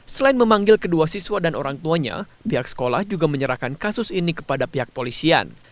selain memanggil kedua siswa dan orang tuanya pihak sekolah juga menyerahkan kasus ini kepada pihak polisian